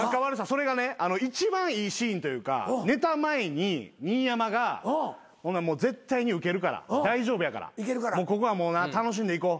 それがね一番いいシーンというかネタ前に新山が絶対にウケるから大丈夫やからここはもうな楽しんでいこうみたいな感じで声掛けるんすよ。